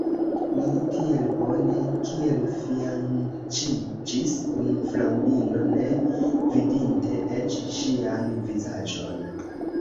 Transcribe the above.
Mi tiel bone kiel fianĉiĝis kun fraŭlino, ne vidinte eĉ ŝian vizaĝon.